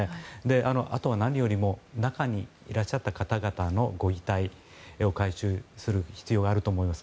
あとは何よりも中にいらっしゃった方々のご遺体を回収する必要があると思います。